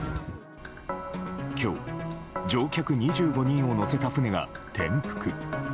今日、乗客２５人を乗せた船が転覆。